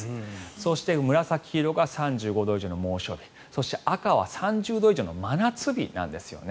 そして紫色が３５度以上の猛暑日赤は３０度以上の真夏日なんですよね。